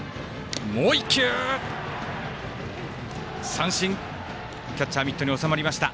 三振、キャッチャーミットに収まりました。